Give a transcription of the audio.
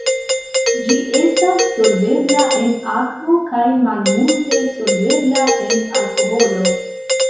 Ĝi estas solvebla en akvo kaj malmulte solvebla en alkoholo.